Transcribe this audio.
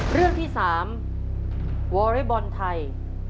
เรื่องที่๓วอเรย์บอลไทย